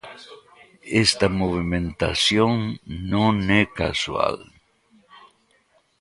Esta movementación non é casual.